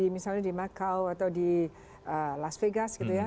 misalnya di makau atau di las vegas gitu ya